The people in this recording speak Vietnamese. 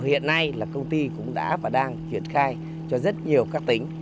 hiện nay là công ty cũng đã và đang triển khai cho rất nhiều các tính